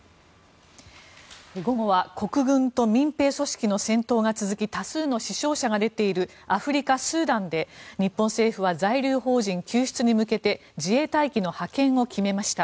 午後は国軍と民兵組織の戦闘が続き多数の死傷者が出ているアフリカ・スーダンで日本政府は在留邦人救出に向けて自衛隊機の派遣を決めました。